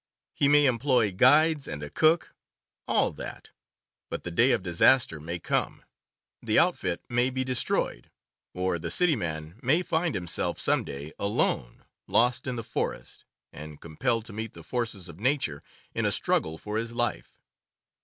He may employ guides and a cook — all that; but the day of disaster may come, the outfit may be destroyed, or the city man may find himself some day alone, lost in the forest, and com 1 2 CAMPING AND WOODCRAFT pelled to meet the forces of nature in a struggle for his life.